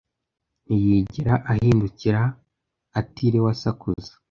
Ntiyigera ahindukira atiriwe asakuza.